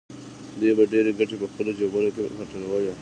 دوی به ډېرې ګټې په خپلو جېبونو کې پټولې